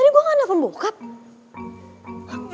tadi itu gua jadi nelfon bokap gak ya